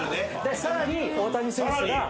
さらに大谷選手が。